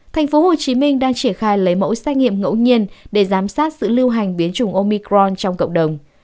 tp hcm đang triển khai lấy mẫu xét nghiệm ngẫu nhiên để giám sát sự lưu hành biến chủng omicron trong cộng đồng